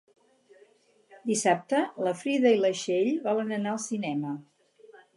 Dissabte na Frida i na Txell volen anar al cinema.